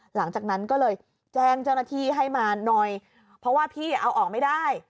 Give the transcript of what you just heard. หลังจากนั้นก็เลยแจ้งเจ้าหน้าที่ให้มาหน่อยเพราะว่าพี่เอาออกไม่ได้